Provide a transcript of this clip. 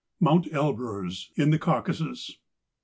MOUNT ELBUEZ IN THE CAUCASUS.